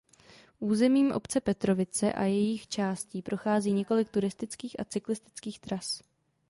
Územím obce Petrovice a jejích částí prochází několik turistických a cyklistických tras.